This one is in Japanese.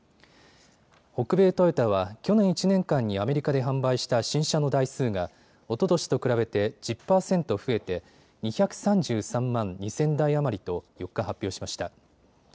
北米トヨタは去年１年間にアメリカで販売した新車の台数がおととしと比べて１０％増えて２３３万２０００台余りと４日、発表しました。